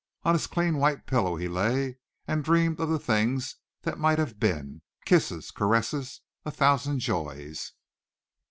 On his clean white pillow he lay and dreamed of the things that might have been, kisses, caresses, a thousand joys.